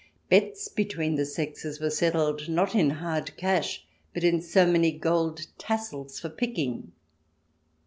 Bets between the sexes were settled, not in hard cash, but in so many gold tassels for picking.